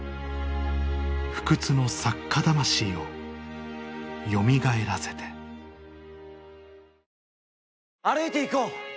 不屈の作家魂をよみがえらせて歩いていこう。